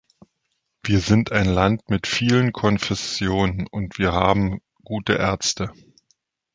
Wir sind ein Land mit vielen Konfessionen, und wir haben gute Ärzte.